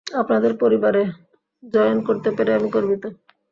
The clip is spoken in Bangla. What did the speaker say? আপনাদের পরিবারে জয়েন করতে পেরে আমি গর্বিত।